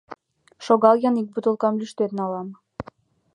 Шогал-ян, ик бутылкам лӱштен налам...